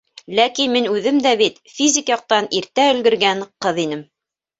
Ләкин мин үҙем дә бит физик яҡтан иртә өлгөргән ҡыҙ инем.